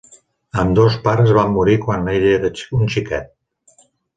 Ambdós pares van morir quan ell era un xiquet.